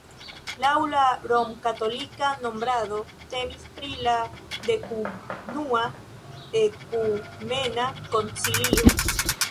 Laŭ la romkatolika nombrado temis pri la dekunua ekumena koncilio.